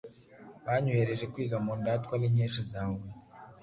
Banyohereje kwiga mu Ndatwa n’Inkesha za Huye!